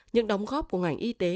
những đóng góp của ngành y tế